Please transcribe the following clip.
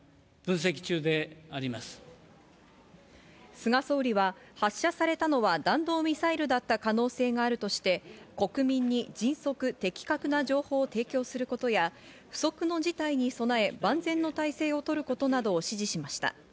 菅総理は発射されたのは弾道ミサイルだった可能性があるとして、国民に迅速、的確な情報を提供することや、不測の事態に備え万全の態勢をとることなどを指示しました。